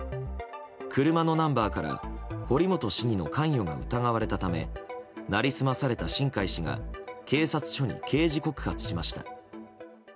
車のナンバーから堀本市議の関与が疑われたため成り済まされた新開氏が警察署に刑事告発しました。